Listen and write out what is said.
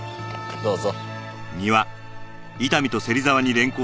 どうぞ。